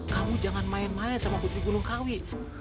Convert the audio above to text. kamu jangan main main sama putri gunungkawi